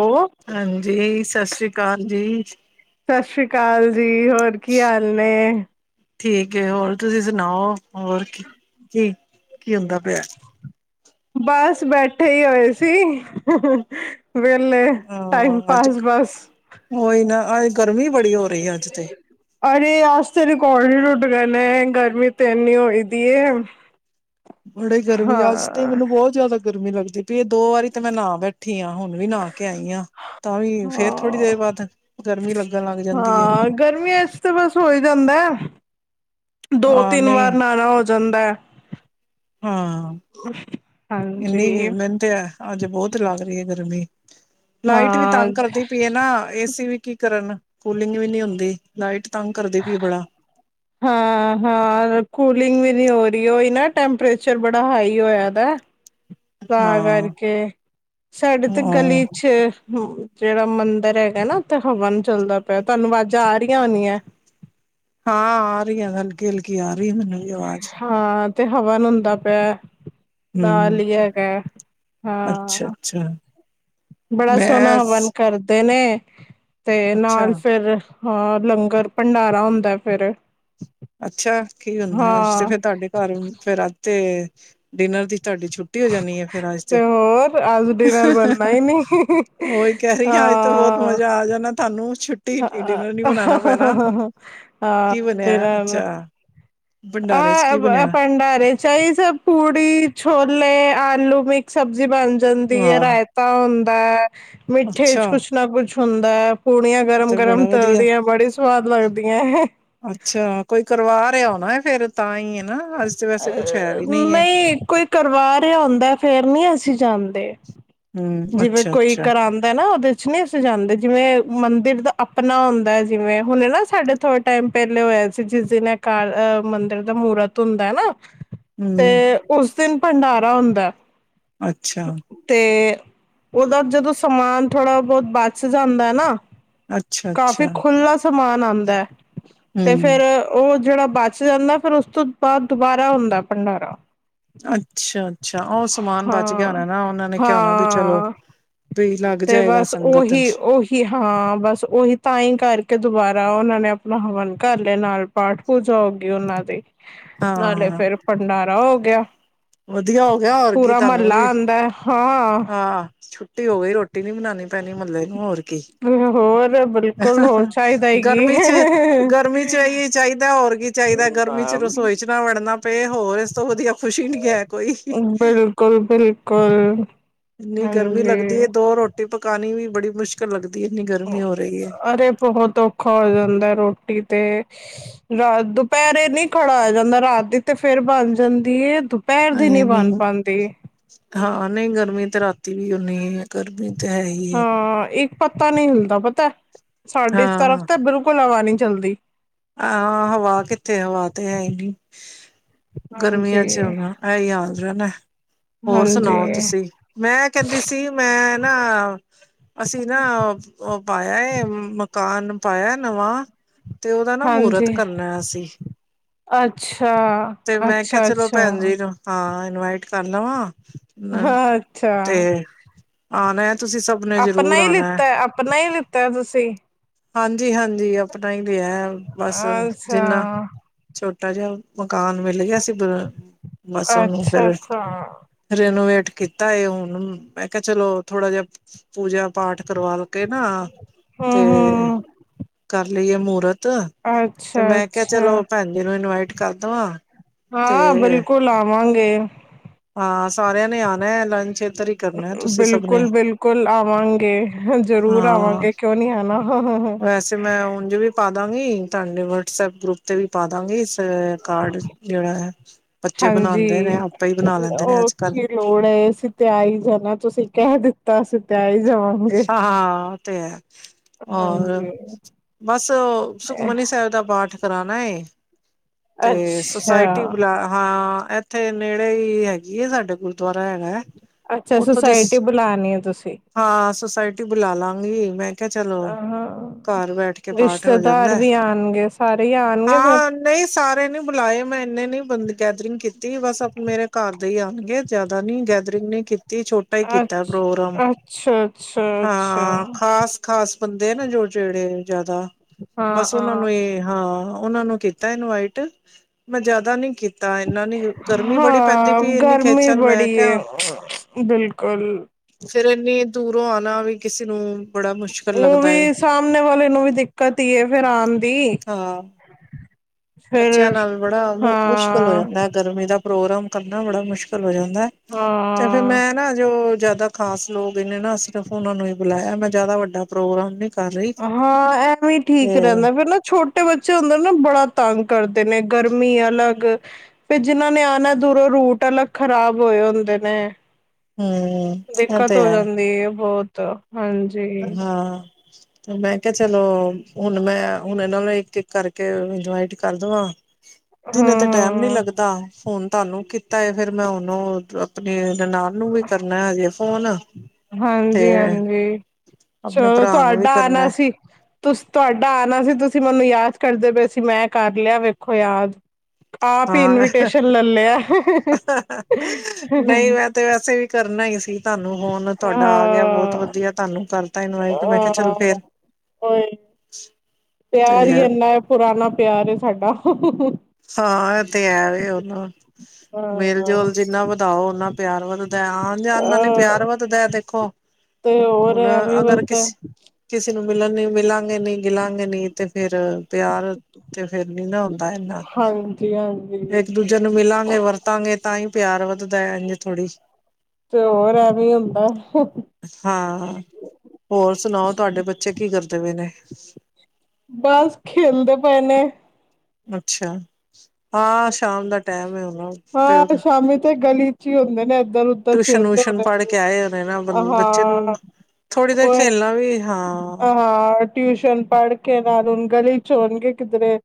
ਉਹ ਹਾਂਜੀ, ਸਤ ਸ੍ਰੀ ਕਾਲ ਜੀ। ਸਤਿ ਸ੍ਰੀ ਅਕਾਲ ਜੀ, ਹੋਰ ਕੀ ਹਾਲ ਨੇ ਠੀਕ ਏ ਹੋਰ ਤੁਸੀਂ ਸੁਣਾਓ ਹੋਰ ਕੀ ਕੀ। ਕੀ ਹੁੰਦਾ ਪਿਐ। ਬਸ ਬੈਠੇ ਹੀ ਹੋਏ ਸੀ। ਵੇਲੇ, ਟਾਈਮ ਹਾਂ ਪਾਸ ਬਸ। ਅਜ ਗਰਮੀ ਬੜੀ ਹੋ ਰਹੀ ਏ ਅੱਜ ਤੇ। ਅਰੇ ਅਜ ਤੇ ਰਿਕੋਡ ਈ ਟੁੱਟਗੇ ਨੇ ਗਰਮੀ ਤੇ ਏਨੀ ਹੋਈ ਦੀ ਏ। ਬੜੇ ਗਰਮੀ ਅੱਜ ਤੇ ਹਾਂ, ਮੈਨੂੰ ਬੋਤ ਜੈਦ ਲਗ ਗਰਮੀ ਲੱਗਦੀ। ਪੀਏ ਦੋ ਵਾਰੀ ਤਾਂ ਮੈਂ ਨਾ ਬੈਠੀ ਆ ਹੁਣ ਵੀ ਨਾ ਕੇ ਆਈ ਆਂ, ਤਾਂ ਵੀ ਫੇਰ ਥੋੜੀ ਹਾਂ, ਦੇਰ ਬਾਦ ਗਰਮੀ ਲਗ ਹਾਂ ਗਰਮੀਆਂ ਚ ਤਾਂ ਬਸ ਹੋ ਜਾਂਦਾ ਦੋ ਹਾਂ ਤਿੰਨ ਵਾਰ ਨਹੀਂ ਨਾਲਾ ਹੋਜ ਤਨਦਾ ਆ ਹਾਂ ਇੰਨੀ ਹਾਂਜੀ, ਮੈਨੂੰ ਤਾ ਅੱਜ ਬਹੁਤ ਲੱਗ ਦੀ ਆ ਗਰਮੀ ਕਮੀ ਲਾਈਟ ਵੀ ਹਾਂ, ਤੰਗ ਕਰਦੀ ਪਈ ਆ ਨਾ ਏਸੀ ਵੀ ਕਿ ਕਰਨ ਕੂਲਿੰਗ ਵੀ ਨਹੀਂ ਹੁੰਦੀ। ਲਾਈਟ ਤੰਗ ਕਰਦੀ ਵੀ ਬੜਾ ਤਾ ਹਾਂ ਹਾਂ ਕੂਲਿੰਗ ਵੀ ਨਹੀਂ ਹੋ ਰਹੀ ਹੋਈ ਨਾ ਟੈਂਪਰੇਚਰ ਬੜਾ ਹਾਈ ਹੋਇਆ ਦਾ ਤਾਂ ਹਾਂ ਕਰਕੇ ਸਾਡੇ ਹ ਤੇ ਗਲੀ ਚ ਜਿਹੜਾ ਮੰਦਿਰ ਹੈਗਾ ਨਾ ਉੱਥੇ ਹਵਨ ਚੱਲਦਾ ਪਿਆ ਤੁਹਾਨੂੰ ਆਵਾਜ਼ਾਂ ਆ ਰਹੀਆਂ ਹੋਣੀਆ ਹਾਂ ਆ ਰਹੀ ਹਲਕੀ ਹਲਕੀ, ਆ ਰਹੀ ਮੈਨੂੰ ਵੀ ਆਵਾਜ਼ ਹਾਂ ਏ ਹਵਨ ਹੁੰਦਾ ਪਿਆ ਦਾ ਹਮ ਲਿਆ ਹੈਗਾ ਅੱਛਾ ਹਾਂ ਅੱਛਾ ਬੜਾ ਸੋਹਣਾ ਮੈਂ ਹਵਨ ਕਰਦਾ ਦਿਨੇ ਤੇ ਅੱਛਾ ਨਾਲ ਫਿਰ ਹਾਂ ਲੰਗਰ ਭੰਡਾਰਾ ਹੁੰਦਾ ਫੇਰ ਅੱਛਾ ਕੀ ਹੁੰਦਾ ਤੇ ਫਿਰ ਤੁਹਾਡੇ ਘਰ ਤੇ ਫੇਰ ਰਾਤੇ ਏ ਦਿਨਰ ਦੀ ਤਾਡੀ ਛੁੱਟੀ ਹੋ ਜਾਂਣੀ ਹੈ ਫਿਰ ਅੱਜ ਤੇ, ਹੋਰ ਅੱਜ ਡਿਨਰ ਬਣਨਾ ਹੀ ਨੀ ਉਹੀ ਕਹਿ ਰਹੀ ਅੱਜ ਤੇ ਬਹੁਤ ਮਜ਼ਾ ਆ ਜਾਣਾ ਤਾਨੂੰ ਛੁੰ ਹ ਹਾ ਹ ਡਿਨਰ ਚਾਹ ਆ ਭੰਡਾਰੇ ਚ ਇਹੀ ਸਬ ਪੂੜੀ ਛੋਲੇ ਆਲੂ ਮਿਕਸ ਸਬਜ਼ੀ ਬਣ ਦੀ ਵਾਹ ਰਾਇਤਾ ਹੁਣ [unintelligible] ਮਿੱਠੇ ਅੱਛਾ ਕੁਛ ਨਾ ਕੁਛ ਹੁੰਦਾ ਪੂਰੀਆਂ ਤੇ ਗਰਮ-ਗਰਮ ਬੜਾ ਤਲ ਵਧੀਆ ਦੇ ਹੈ, ਬੜੇ ਸਵਾਦ ਲੱਗਦੀਆਂ ਫਿਰ ਤਾਂ ਹੀ ਹ ਨਾ ਅੱਜ ਤੇ ਅ ਵੈਸੇ ਕੁਛ ਹੈ ਵੀ ਹੈ ਨਹੀਂ ਕੋਈ ਕਰਵਾ ਰਿਹਾ ਹੁੰਂਦਾ ਫੇਰ ਨਹੀਂ ਅਸੀਂ ਜਾਦ ਤੇ ਹੂੰ, ਜਿਵੇਂ ਕੋਈ ਅੱਛਾ-ਅੱਛਾ, ਕਰਾਂਦਾ ਨਾ ਉਹਦੇ ਕੁ ਨਹੀਂ ਅਸੀ ਜਾਂਦੇ। ਜਿਵੇਂ ਮੰਦਿਰ ਦਾ ਆਪਣਾ ਹੁੰਦਾ ਜਿਵੇਂ ਹੁਣ ਨਾ ਸਾਡੇ ਥੋੜੇ ਟਾਈਮ ਪਹਿਲੇ ਹੋਇਆ ਸੀ, ਜਿਸ ਦਿਨ ਅਕਾਲ ਮੰਦਿਰ ਦਾ ਮੂਰਤ ਹੁੰਦਾ ਹੈ ਨਾ ਹੂੰ, ਤੇ ਉਸ ਦਿਨ ਭੰਡਾਰਾ ਹੁੰਦਾ ਅੱਛਾ, [unintelligible] ਤੇ ਉਹਦਾ ਜਦੋਂ ਸਮਾਨ ਥੋੜ੍ਹਾ ਬਹੁਤ ਬਚ ਜਾਂਦਾ ਹੈ ਨਾ ਅੱਛਾ-ਅੱਛਾ, ਕਾਫੀ ਖੁੱਲਾ ਸਮਾਨ ਆਂਦਾ ਐ ਤੇ ਹੂੰ, ਫਿਰ ਉਹ ਜਿਹੜਾ ਬਚ ਜਾਂਦਾ, ਫੇਰ ਉਸ ਤੋਂ ਬਾਅਦ ਦੁਬਾਰਾ ਹੁੰਦਾ ਭੰਡਾਰਾ ਅੱਛਾ- ਅੱਛਾ ਉਹ ਸਮਾਨ ਬਚ ਗਿਆ ਹਾਂ ਹੋਣਾ ਨਾ, ਉਹਨਾਂ ਨੇ ਕਿਹਾ ਹੋਣਾ ਵੀ ਚਲੋ ਹਾਂ ਵੀ ਲੱਗ ਤੇ ਜਾਏਗਾ ਬਸ ਸੰਗਤ ਉਹੀ, ਚ ਉਹੀ ਹਾਂ ਬਸ ਉਹੀ ਤਾਂ ਹੀ ਕਰਕੇ ਦੁਬਾਰਾ ਉਹਨਾਂ ਨੇ ਆਪਣਾ ਹਵਨ ਕਰ ਲਿਆ ਨਾਲ। ਪਾਠ ਪੂਜਾ ਹੋ ਗਈ ਉਹਨਾਂ ਦੀ ਨਾਲੇ ਹਾਂ, ਫੇਿਰ ਭੰਡਾਰਾ ਹੋ ਗਿਆ। ਵਧੀਆ ਹੋ ਗਿਆ ਹੋਰ ਕੀ ਪੂਰਾ ਤੁਹਾਨੂੰ ਮਹੱਲਾ ਵੀ ਆਉਂਦਾ ਹਾਂ ਹਾਂ ਛੁੱਟੀ ਹੋ ਗਈ, ਰੋਟੀ ਨੀ ਬਨਾਣੀ ਪੈ ਨ ਮਤਬ ਇਹਨੂੰ ਹੋਰ ਕੀ, ਹੋਰ ਬਿਲਕੁਲ ਹੋਰ ਚਾਹੀਦਾ ਹੀ ਗਰਮੀ ਚ ਕੀ। ਗਰਮੀ ਚ ਇ ਚਾਹੀਦਾ ਹੋਰ ਕੀ ਚਾਹੀਦਾ ਗਰਮੀ ਚ ਰਸੋਈ ਚ ਵੜ੍ਹਨਾ ਤੇ ਹੋਰ ਇਸ ਤੋਂ ਵਧੀਆ ਖੁਸ਼ੀ ਨੀ ਹੈ ਕੋਈ, ਬਿਲਕੁਲ ਬਿਲਕੁਲ ਇੰਨੀ ਗਰਮੀ ਲੱਗਦੀ ਹਾਂਜੀ ਦੋ ਰੋਟੀ ਪਕਾਣੀ ਵੀ ਬੜ੍ਹੀ ਮੁਸ਼ਕਿਲ ਲੱਗਦੀ ਹੈ, ਇੰਨੀ ਗਰਮੀ ਹੋ ਰਹੀ ਹੈ। ਅਰੇ ਬਹੁਤ ਔਖਾ ਹੋ ਜਾਂਦਾ, ਰੋਟੀ ਤੇ ਰਾਤ ਦੁਪਹਿਰੇ ਨੀ ਖੜਿਆ ਜਾਂਦਾ। ਰਾਤ ਦੀ ਤੇ ਫੇਰ ਬਣ ਜਾਂਦੀ ਦੁਪਹਿਰ ਦੀ ਨੀ ਬਣ ਨਹੀਂ ਪਾਉਂਦੀ ਹਾਂ ਨਹੀਂ, ਗਰਮੀ ਤੇ ਰਾਤੀ ਵੀ ਓਹਨੀ ਈ ਏ ਗਰਮੀ ਤੇ ਹੈ ਹੀ ਏ ਹਾਂ ਇੱਕ ਪੱਤਾ ਨਹੀਂ ਹਿਲਦਾ ਪਤਾ ਸਾਡੇ ਇਸ ਤਰਫ ਹਾਂ ਤੇ ਬਿਲਕੁਲ ਹਵਾ ਨੀ ਜਲਦੀ ਹਾਂ ਹਵਾ ਕਿੱਥੇ, ਹਵਾ ਤੇ ਹੈ ਨੀ ਹਾਂਜੀ ਗਰਮੀਆਂ ਚ ਉਹ ਨਾ ਐਹੀ ਹਾਲ ਰਹਿਨਾ, ਹੋਰ ਹਾਂਜੀ ਸੁਣਾਓ ਤੁਸੀਂ, ਮੈਂ ਕਹਿੰਦੀ ਸੀ ਮੈਂ ਨਾ ਅਸੀਂ ਨਾ ਉਹ ਪਾਇਆ ਕਾਨ ਪਾਇਆ ਨਵਾਂ ਤੇ ਉਹਦਾ ਨਾ ਮਹੂਰਤ ਹਾਂਜੀ ਕਰਨਾ ਅਸੀਂ ਅੱਛਾ ਤੇ ਮੈਂ ਕਿਹਾ ਅੱਛਾ ਚਲੋ ਅੱਛਾ ਭੈਣ ਜੀ ਨੂੰ ਹਾਂ ਇਨਵਾਈਟ ਕਰ ਲਵਾਂ ਹਾਂ ਅੱਛਾ ਤੇ ਆਣਾ ਤੁਸੀਂ ਸਭ ਨੇ ਆਪਣਾ ਜ਼ਰੂਰ ਹੀ ਆਣਾ ਲਿੱਤਾ ਆਪਣਾ ਹੀ ਲਿੱਤਾ ਤੁਸੀਂ ਹਾਂਜੀ ਹਾਂਜੀ ਅਪ ਆਪਣਾ ਹੀ ਲਯਾ ਏ ਬਸ ਜਿੰਨਾ ਅੱਛਾ ਛੋ ਛੋਟਾ ਜਿਹਾ ਮਕਾਨ ਮਿਲ ਗਿਆ ਸ ਬਸ ਉਹਨੂੰ ਅੱਛਾ ਫੇਰ ਅੱਛਾ ਰਨੋਵੇਟ ਕੀਤਾ ਉਹੁ ਹ ਮੈਂ ਕਿਹਾ ਚਲੋ ਥੋੜਾ ਜਿਹਾ ਪੂਜਾ ਪਾਠ ਕਰਵਾ ਕੇ ਨਾ ਤੇ ਹਮ ਹਮ ਘਰ ਲਈ ਏ ਮੂਰਤ ਅੱਛਾ ਤੇ ਮੈਂ ਕਿਹਾ ਅੱਛਾ ਚਲੋ ਭੈਣ ਜੀ ਨੂੰ ਇਨਵਾਈਟ ਕਰਦਵਾਂ ਹਾਂ ਬਿਲਕੁਲ ਆ ਆਵਾਂਗੇ ਹਾਂ ਸਾਰਿਆਂ ਨੇ ਆਉਣਾ ਲੰਚ ਇੱਧਰ ਹੀ ਕਰਨਾ ਤੁਸੀਂ ਸਭ ਨੇ ਬਿਲਕੁਲ ਬਿਲਕੁਲ ਆਵਾਂਗੇ ਜਰੂਰ ਹਾਂ ਆਵਾਂਗੇ ਕਿਉਂ ਨਹੀਂ ਆਣਾ ਵੈਸੇ ਮੈਂ ਉਂਝ ਵੀ ਪਾ ਦਾਂਗੀ ਤੁਹਾਡੇ ਵਟਸਐਪ ਗਰੁੱਪ ਤੇ ਵੀ ਪਾ ਦਾਂਗੀ ਇਸ ਬੱਚੇ ਬਣਾਉਂਦੇ ਨੇ ਹਾਂਜੀ ਆਪੇ ਹੀ ਬਣਾ ਲੈਂਦੇ ਨੇ ਅੱਜ ਕੱਲ ਕੀ ਲੋੜ ਹੈ ਅਸੀਂ ‌ਤੇ‌‌ ਆ ਈ ਜਾਣਾ ਤੁਸੀਂ ਕਹਿ ਦਿੱਤਾ ਤ ਅਸੀਂ ਤੇ ਹੀ ਜ ਹਾਂ ਊਤੇ ਹੈ ਹੋਰ ਹਾਂਜੀ ਬਸ ਸੁਖਮਨੀ ਸਾਹਿਬ ਦਾ ਪਾਠ ਕਰਾਣਾ ਏ ਤੇ, ਸੁਸਾਇਟੀ ਅੱਛਾ ਬਲਾ ਹਾਂ ਇੱਥੇ ਨੇੜੇ ਹੀ, ਹੈਗੀ ਏ ਸਾਡੇ ਗੁਰਦੁਆਰਾ ਹੇਗਾ ਅੱਛਾ ਉਥੋਂ ਦੀ ਸ ਸੁਸਾਇਟੀ ਬੁਲਾਣੀ ਹੈ ਤੁਸੀਂ ਹਾਂ ਸੁੋਸਾਇਟੀ ਬੁਲਾ ਲਾਂਗੀ ਮੈਂ ਕਿਹਾ ਚਲੋ ਹਾਂ ਘਰ ਬੈਠ ਕੇ ਪਾਠ ਹੋ ਰਿਸ਼ਤੇਦਾਰ ਜਾਂਦਾ ਵੀ ਆਣਗੇ ਸਾਰੇ ਹੀ ਆਣਗੇ ਫਿਰ ਹਾਂ ਨਹੀਂ ਨੀ ਬੁਲਾਏ ਮੈਂ ਇੰਨੇ ਨੀ ਬੰ ਗੈਦਰਿੰਗ ਕੀਤੀ ਬਸ ਆਪ ਮੇਰੇ ਘਰ ਦੇ ਹੀ ਆਉਣਗੇ ਜਿਆਦਾ ਨੀ ਗੈਦਰਿੰਗ ਨਹੀਂ ਕੀਤੀ ਛੋਟਾ ਹੀ ਕੀਤਾ ਅੱਛ- ਪ੍ਰੋਗਰਾਮ ਅੱਛਾ ਅੱਛਾ ਅੱਛਾ ਹਾਂ ਖ਼ਾਸ ਖਾਸ ਬੰਦੇ ਨਾ ਜੋ ਜੇੜੇ ਜ਼ਿਆਦਾ ਹਾਂ ਬਸ ਉਹਨਾਂ ਹਾਂ। ਨੂੰ ਇਹ ਹਾਂ ਉਹਨਾਂ ਨੂੰ ਕੀਤਾ ਇਨਵਾਈਟ, ਮੈਂ ਜਿਆਦਾ ਨੀ ਕੀਤਾ ਤਾਂ ਇੰਨਾ ਨੀ ਗਰਮੀ ਬੜੀ ਪੈਂਦੀ ਹਾਂ ਵੀ ਇੰਨੀ ਗਰਮੀ ਖੇਚਲ ਮੈਂ ਬੜੀ ਏ ਕਿਹਾ ਬਿਲਕੁਲ। ਫਫਿਰ੍ਰ ਇਨੀ ਉ ਆਣਾ ਵੀ ਕਿਸੇ ਨੂੰ ਮੁਸ਼ਕਿਲ ਉਹ ਲੱਗਦਾ ਏ ਵੀ ਸਾਹਮਣੇ ਵਾਲੇ ਨੂੰ ਵੀ ਦਿੱਕਤ ਹੀ ਏ ਫਿਰ ਆਣ ਦੀ ਹਾਂ ਬੱਚਿਆਂ ਫਿਰ ਨਾਲ ਬੜਾ ਮੁਸ਼ਕਿਲ ਹੋ ਹਾਂ ਜਾਂਦਾ ਗਰਮੀ ਦਾ ਪ੍ਰੋਗਰਾਮ ਕਰਨਾ ਬੜਾ ਮੁਸ਼ਕਿਲ ਵ ਜਾਂਦਾ ਤੇ ਫਿਰ ਹਾਂ। ਮੈਂ ਨਾ ਜੋ ਜ਼ਿਆਦਾ ਖਾਸ ਲੋਕ ਇਹਨੇ ਨਾ ਸ ਸਿਰਫ ਉਹਨਾ ਨੂੰ ਹੀ ਬੁਲਾਇਆ ਮੈਂ ਜ਼ਿਆਦਾ ਵੱਡਾ ਪ੍ਰੋਗਰਾਮ ਨ ਹਾਂ ਐਵੇਂ ਠੀਕ ਰਹਿੰਦਾ ਫੇਰ ਨਾ ਛੋ- ਛੋਟੇ ਬੱਚੇ ਹੁੰਦੇ ਨਾ ਬੜਾ ਤੰਗ ਕਰਦੇ ਨੇ ਗਰਮੀ ਅਲੱਗ ਫੇਰ ਜਿਹਨਾਂ ਨੇ ਆਣਾ ਦੂਰੋਂ ਰੂਟ ਅਲੱਗ ਖ਼ਰਾਬ ਹੋਏ ਹੁੰਦੇ ਨੇ- ਹਮ ਇਹ ਦਿੱਕਤ ਤੇ ਹੋ ਹੈ ਜਾਂਦੀ ਹੈ ਬਹੁਤ ਤਾਂ ਹਾਂ ਤੇ ਮੈਂ ਕਿਹਾ ਚਲੋ ਹੁਣ ਮੈਂ ਹੁਣ ਇਹਨਾਂ ਨੂੰ ਇੱਕ-ਇੱਕ ਕਰਕੇ ਇਨਵੈਇਟ ਕਰ ਦਵਾਂ ਹਾਂ ਦਿਨੇ ਤੇ ਟੈਮ ਨੀ ਹਾਂ ਲੱਗਦਾ ਫੋਨ ਤੁਹਾਨੂੰ- ਤਾਂਏ ਫੇਰ ਮੈਂ ਉਹਨੂੰ ਆਪਣੇ ਨਨਾਣ ਨੂੰ ਵੀ ਕਰਨਾ ਹੈਜ- ਫੋਨ ਤੇ ਹਾਂਜੀ-ਹਾਂਜੀ ਆਪਣੇ ਚਲੋ ਭਰਾ ਨੂੰ ਵੀ ਤੁਹਾਡਾ ਆਉਣਾ ਕਰਨਾ ਸੀ ਤੁ ਤੁਹਾਡਾ ਆਣਾ ਸੀ ਤੁਸੀਂ ਮੈਨੂੰ ਯਾਦ ਕਰਦੇ ਪਏ ਸੀ ਮੈਂ ਕਰ ਲਿਆ ਵੇਖੋ ਯਾਦ ਆਪ ਹੀ ਹਾਂ ਇਨਵੀਟੇਸ਼ਨ ਲੈ ਲਿਆ ਨਹੀਂ ਮੈਂ ਤੇ ਵੈਸੇ ਵੀ ਕਰਨਾ ਹੀ ਸੀ- ਤੁਹਾਨੂੰ ਹੁਣ ਤੁਹਾਡਾ ਆ ਗਿਆ ਬਹੁਤ ਹਾਂ ਵਧੀਆ ਤੁਹਾਨੂੰ ਤ ਤਨ ਆਈ ਤੇ ਮੈਂ ਕਿਹਾ ਚੱਲ ਅ ਫੇਰ ਉਹੀ ਪਿਆਰ ਤੇ ਹੀ ਇੰਨਾ ਹੈ ਪੁਰਾਣਾ ਪਿਆਰ ਸਾਡਾ [unintelligible] ਹਾਂ ਇਹ ਤੇ ਐ ਵੀ ਨੂੰ ਮੇਲ ਹਾਂ ਜੋਲ ਜਿੰਨਾ ਵਧਾਓ ਓਨਾ ਪਿਆਰ ਵੱਧਦਾ ਆਨ ਜਾਨ ਨਾਲ ਹੀ ਪਿਆਰ ਅਹ ਵੱਧਦਾ ਦੇਖੋ ਤੇ ਹੋਰ ਹੁਣ ਐਵੇਂ ਅਗਰ ਬਸ ਕਿਸ ਕਿਸੇ ਨੂੰ ਮਿਲਣ ਨ ਮਿਲਾਂ ਨੀ ਗਿਲਾਂਗੇ ਨੀ ਤੇ ਫੇਰ ਪਿਆਰ ਤੇ ਫੇਰ ਨੀ ਨਾ ਹੁੰਦਾ ਹਾਂਜੀ ਇੱਕ ਹਾਂਜੀ ਦੂਜੇ ਨੂੰ ਮਿਲਾਂਗੇ ਵਰਤਾਂਗੇ ਤਾਂ ਹੀ ਪਿਆਰ ਵੱਧਦਾ ਇੰ ਥੋੜ੍ਹੀ ਤੇ ਹੋਰ ਐਵੇਂ ਹੁੰਦਾ ਹੋਰ ਸੁਣਾਓ ਤੁਹਾਡੇ ਬੱਚੇ ਕੀ ਕਰਦੇ ਹੋਏ ਨੇ [inaudible] ਬਸ ਖੇਿਲਦੇ ਪਏ ਨੇ ਅੱਛਾ ਹਾਂ ਸ਼ਾਮ ਦਾ ਟੈਮ ਹੈ ਉਹਨਾ ਪਿਓ ਹਾਂ ਸ਼ਾਮੀ ਤੇ ਗਲੀ ਚ ਹੀ ਹੁੰਦੇ ਨੇ ਵਊਸ਼ਨ ਪੜ੍ਹ ਕੇ ਆਏ ਹੋਣੇ ਨਾ ਬੱਚੇ ਨੂੰ ਥੋੜ੍ਹੀ ਦੇਰ ਖੇਲਣਾ ਵੀ ਹਾਂ [unintelligible] ਚੋਣਗੇ ਕਿਧਰੇ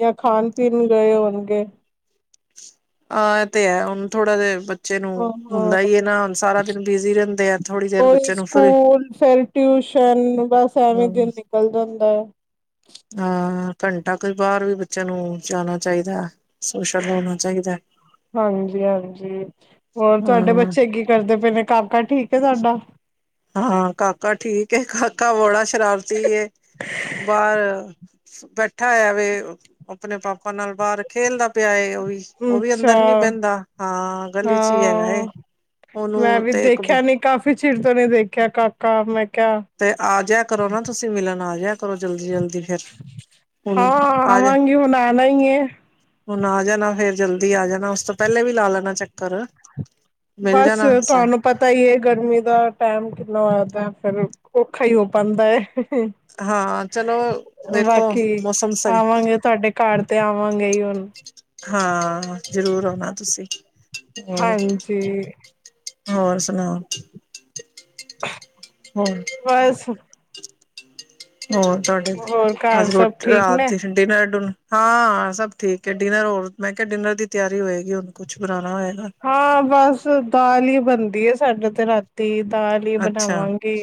ਜਾਂ ਖਾਣ ਪੀਣ ਗਏ ਹੋਣਗੇ [unintelligible] ਹਾਂ ਇਹ ਤੇ ਹੈ ਹੁਣ ਥੋੜਾ ਜੇ ਬਚ ਬੱਚੇ ਨੂੰ ਹਾਂ ਹੁੰਦਾ ਹੈ ਨਾ ਹੁਣ ਸਾਰਾ ਦਿਨ ਬਿਜੀ ਰਹਿੰਦੇ ਆ ਥੋੜ੍ਹੀ ਦੇਰ ਕੋਈ ਬੱਚੇ ਨੂੰ ਫਰੀ ਸਕੂਲ ਫੇਿਰ ਟਿਊਸ਼ਨ ਬਸ ਐਵੇਂ ਹਮ ਦਿਨ ਨਿਕਲ ਜਾਂਦਾ ਹੈ ਹਾਂ ਘੰਟਾ ਕੋਈ ਬਾਹਰ ਵੀ ਬੱਚਿਆਂ ਨੂੰ ਜਾਣਾ ਚਾਹੀਦਾ ਸੋਸ਼ਲ ਹੋਣਾ ਚਾਹੀਦਾ ਹਾਂਜੀ ਹਾਂਜੀ ਹੋਰ ਤੁਹਾਡੇ ਹਾਂ। ਬੱਚੇ ਕੀ ਕਰਦੇ ਪਏ ਨੇ ਕਮਕਾ ਠੀਕ ਸਾਡਾ ਹਾਂ ਕਾਕਾ ਠੀਕ ਕਾਕਾ ਬਲਾ ਸ਼ਰਾਰਤੀ ਹੈ ਬਾਹਰ ਬੈਠਾ ਹੋਇਆ ਵ ਆਪਣੇ ਪਾਪਾ ਨਾਲ ਬਾਹਰ ਖੇਲਦਾ ਪਿਆ ਹੈ ਉਹ ਵੀ ਅੱਛਾ ਅੰਦਰ ਨੀ ਬਹਿੰਦਾ ਹਾਂ ਗਲੀ ਚ ਹੀ ਹੈਗਾ ਹਾਂ ਮੈਂ ਉਹਨੂੰ ਵੀ ਤੇ ਇੱਕ ਦੇਖਿਆ ਨੀ ਕਾਫ਼ੀ ਚਿਰ ਤੋਂ ਨੀ ਦੇਖਿਆ ਕਾਕਾ ਮੈਂ ਕਿਹਾ ਤੇ ਆ ਜੀਆ ਕਰੋ ਨਾ ਤੁਸੀਂ ਮਿਲਣ ਆ ਜਾਿਆ ਕਰੋ ਜਲਦੀ-ਜਲਦੀ ਹਾਂ ਆਵਾਂਗੀ ਹੁਣ ਆਣਾ ਹੀ ਹੈ ਹੁਣ ਆ ਜਾਣਾ ਫੇਰ ਜਲਦੀ ਆ ਜਾਣਾ ਉਸ ਤੋਂ ਪਹਿਲੇ ਵੀ ਲਾ ਲੈਣਾ ਚੱਕਰ ਮਿਲ ਬਸ ਜਾਣਾ ਸਾ ਤੁਹਾਨੂੰ ਪਤਾ ਹੀ ਹੈ ਗਰਮੀ ਦਾ ਟੈਮ ਕਿੰਨਾ ਫਿਰ ਔਖਾ ਹੀ ਹੋ ਪਾਉਂਦਾ ਹੈ ਹਾਂ ਚਲੋ ਵੇਖੋ ਬਾਕੀ ਮੌਸਮ ਸਹੀ, ਆਵਾਂਗੇ ਤੁਹਾਡੇ ਘਰ ਤੇ ਆਵਾਂਗੇ ਹੀ ਹੁਣ ਹਾਂ ਜ਼ਰੂਰ ਆਉਣਾ ਤੁਸੀਂ ਹੋਰ ਹਾਂਜੀ ਹੋਰ ਸੁਣਾਓ [unintelligible] ਹੋਰ ਬਸ [unintelligible] ਹੋਰ ਤੁਹਾਡੇ, ਹੋਰ ਘਰ ਅੱਜ ਸਭ ਰੋਟ ਠੀਕ ਨੇ ਰਾਤ ਡੀੇਨਰ ਡੁਨ ਹਾਂ ਸਭ ਠੀਕ ਹੈ ਡਿਨਰ ਹੋਰ ਮੈਂ ਕਿਹਾ ਡਿਨਰ ਦੀ ਤਿਆਰੀ ਹੋਏਗੀ ਹੋਰ ਕੁਛ ਬਨਾਣ ਹਾਂ ਬਸ ਦਾਲ ਹੀ ਬਣਦੀ ਏ ਸਾਡੇ ਤੇ ਰਾਤੀ ਦਾਲ ਹੀ ਅੱਛਾ, ਬਣਾਵਾਂਗੇ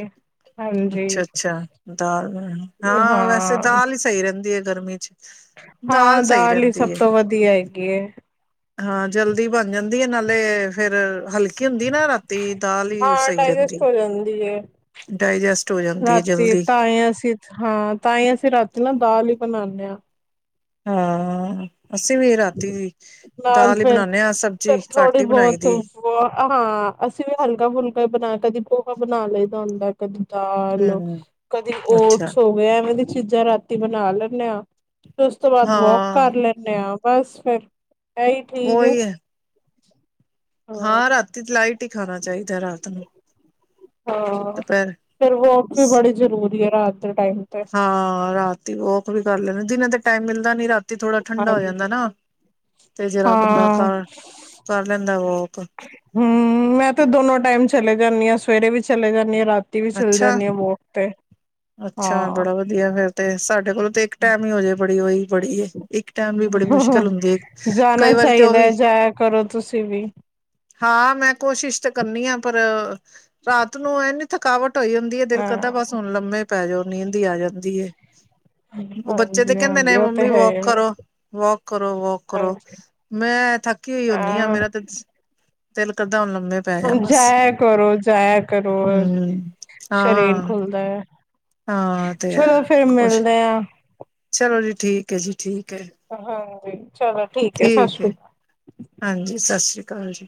ਹਾਂਜੀ ਅੱਛਾ-ਅੱਛਾ, ਦਾਲ ਬਨਾਨੀ, ਹਾਂ ਵੈਸੇ ਦਾਲ ਹੀ ਸਹੀ ਰਹਿੰਦੀ ਹੈ। ਗਰਮੀ ਚ ਹਾਂ, ਸਹੀ ਦਾਲ ਹੀ ਸਭ ਰਹਿੰਦੀ ਹੈ ਤੋਂ ਵਧੀਆ ਹੈਗੀ ਏ। ਹਾਂ, ਜਲਦੀ ਬਣ ਜਾਂਦੀ ਹੈ ਨਾਲੇ ਫੇਰ ਹਲਕੀ ਹੁੰਦ ਦਿਨਾਂ ਰਾਤੀ ਦਾਲ ਹੀ ਹਾਂ ਸਹੀ ਰਹਿੰਦੀ ਡਾਇਜੈਸਟ ਏ। ਹੋ ਜਾਂਦੀ ਹੈ ਰਾਤੀ ਤਾਈ ਅਸੀਂ ਹਾਂ ਤਾਈ ਅਸੀਂ ਰਾਤੀ ਨਾ ਦਾਲ ਹੀ ਬਣਾਣ [unintelligible] ਹਾਂ। ਅਸੀਂ ਵੀ ਰਾਤੀ ਨਾਲ ਦਾਲ ਹੀ ਫੇਰ, ਬਣਾਨੇ ਆ ਸਬਜ਼ੀ ਫੇਰ ਥੋੜੀ ਘੱਟ ਹੀ ਬਣਾਈ ਬਹੁਤ ਦੀ। [unintelligible] ਹਾਂ, ਅਸੀਂ ਵੀ ਹਲਕਾ ਫੁਲਕਾ ਬਣਾ ਕਦੀ ਪੋਹਾ ਬਣਾ ਲਈਦਾ ਹੁੰਦਾ ਕਦੀ ਦਾਲ ਹੂੰ, ਕਦੀ ਅੱਛਾ ਓਟਸ ਹੋ ਗਏ ਐਵੇਂ ਦੀ ਚੀਜ਼ਾਂ ਰਾਤੀ ਬਣਾ ਲੈਂਨੈ ਹਾਂ। ਫਿਰ ਉਸ ਤੋਂ ਬਾਅਦ ਵੋਕ ਹਾਂ ਕਰ ਲੈਂਨੇ ਆਂ। ਬਸ ਫਿਰ ਇਹੀ ਠੀਕ ਹੈ। ਹਾਂ ਰਾਤੀ ਤੇ ਲਾਈਟ ਹੀ ਖਾਣਾ ਚਾਹੀਦਾ ਰਾਤ ਨੂੰ। ਹਾਂ, ਦੁਪਹਿਰ ਫੇਰ ਵੋਕ ਵੀ ਬੜੀ ਜ਼ਰੂਰੀ ਏ। ਰਾਤ ਦੇ ਟਾਈਮ ਤੇ ਹਾਂ ਅ ਰਾਤੀ ਵਾਕ ਵੀ ਕਰ ਲੈਦੇ ਦਿਨਾਂ ਤੇ ਟਾਈਮ ਮਿਲਦ ਦਾਂ ਨੀ ਰਾ ਥੋੜ੍ਹਾ ਠੰਡਾ ਹੋ ਹਾਂਜੀ ਜਾਂਦਾ ਨਾ, ਤੇ ਜਿਹੜਾ ਬੰਦਾ ਹਾਂ ਕਰ ਕਰ ਲੈਂਦਾ ਵਾਕ। [unintelligible] ਹਮ ਮੈਂ ਤੇ ਦੋਨੋ ਟਾਈਮ ਚਲੇ ਜਾਂਨੀ ਆ ਸਵੇਰੇ ਵੀ ਚਲੇ ਜਾਂਨੀ ਐ ਰਾ ਤੀ ਵੀ ਚੱਲ ਅੱਛਾ ਜਾਂਨੀ ਆ ਵੋਕ ਤੇ, ਅੱਛਾ ਹਾਂ ਬੜਾ ਵਧੀਆ ਫੇਰ ਤੇ ਸਾਡੇ ਕੋਲੋਂ ਤੇ ਇੱਕ ਟੈਮ ਹੀ ਹੋਜੇ ਬੜੀ ਉਹੀ, ਬੜੀ ਇੱਕ ਟੈਮ ਵੀ ਬੜੀ ਮੁਸ਼ਕਿਲ ਹੁੰਦੀ ਹੈ, ਜਾਣਾ ਕਈ ਵਾਰੀ ਤੇ ਉਹ ਚਾਹੀਦਾ ਹੈ ਵੀ ਜਾਇਆ ਕਰੋ ਤੁਸੀਂ ਵੀ ਹਾਂ ਮੈਂ ਕੋਸ਼ਿਸ਼ ਤਾਂ ਕਰਨੀ ਆ ਪਰ ਰਾਤ ਨੂੰ ਇਨੀ ਥਕਾਵਟ ਹੋਇ ਹੁੰਦੀ ਏ, ਦਿਲ ਹਾਂ ਕਰਦਾ ਬਸ ਹੁਣ ਲੰਮੇ ਪੈਜੋੋ ਨੀਦ ਈ ਆ ਜਾਂਦੀ ਏ, ਹਾਂਜੀ ਬੱਚੇ ਤੇ ਕਹਿੰਦੇ ਹਾਂਜੀ ਨੇ ਉਹ ਤੇ ਮੰਮੀ ਹੈ ਵੋਕ ਹੀ ਕਰੋ ਵੋਕ ਕਰੋ ਵੋਕ ਕਰੋ ਹਾਂਜੀ ਮੈਂ ਥੱਕੀ ਹੋਈ ਹੁੰਨੀ ਆ ਮੇਰਾ ਤੇ, ਦਿਲ ਕਰਦ ਹੋਰ ਜਾਇਆ ਕਰੋ ਜਾਇਆ ਕਰੋ ਹਮ ਸਰੀਰ ਹਾਂ ਖੁੱਲਦਾ ਐ। ਹਾਂ ਤੇ ਹੈ ਚਲੋ ਫੇਰ ਮਿਲਦੇ ਆ। [unintelligible] ਚਲ ਜੀ ਠੀਕ ਹੈ ਜੀ ਠੀ ਹ ਹਾਂ, ਜੀ, ਠੀਕ ਐ ਹਾਂਜੀ ਸਾਸਰੀ ਕਾਲ ਜੀ,